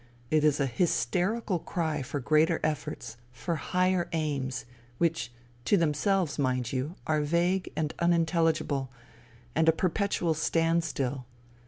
It is a hysterical cry for greater efforts, for higher aims ^which to themselves, mind you, are vague and unintelligible — and a perpetual stand still.